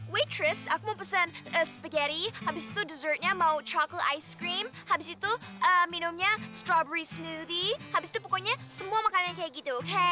waitress aku mau pesen spagetti habis itu desertnya mau coklat ice cream habis itu minumnya strawberry smoothie habis itu pokoknya semua makanan kayak gitu oke